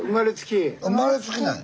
生まれつきなんや。